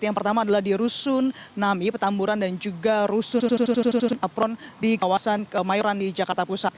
yang pertama adalah di rusun nami petamburan dan juga rusun apron di kawasan kemayoran di jakarta pusat